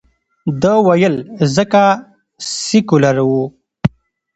ده ویل، ځکه سیکولر ؤ.